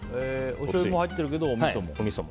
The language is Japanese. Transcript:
おしょうゆも入ってるけどおみそも。